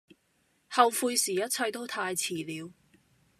後悔時一切都太遲了